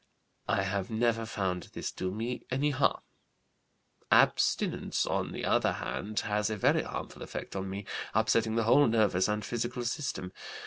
I have never found this do me any harm. Abstinence, on the other hand, has a very harmful effect on me, upsetting the whole nervous and physical system.